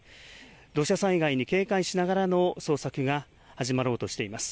土砂災害に警戒しながらの捜索が始まろうとしています。